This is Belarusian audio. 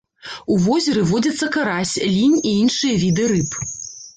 У возеры водзяцца карась, лінь і іншыя віды рыб.